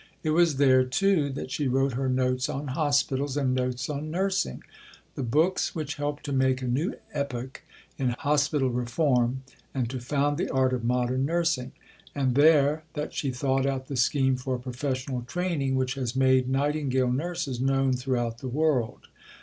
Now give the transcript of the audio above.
It was there, too, that she wrote her Notes on Hospitals and Notes on Nursing the books which helped to make a new epoch in hospital reform and to found the art of modern nursing; and there that she thought out the scheme for professional training which has made "Nightingale Nurses" known throughout the world.